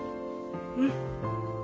うん。